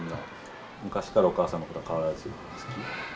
昔からお母さんのことは変わらず好き？